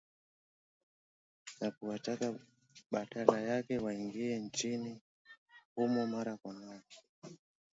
Na kuwataka badala yake waingie nchini humo mara kwa mara